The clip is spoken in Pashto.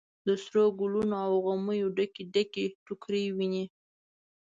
د سروګلو او غمیو ډکې، ډکې ټوکرۍ ویني